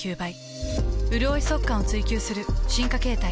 うるおい速乾を追求する進化形態。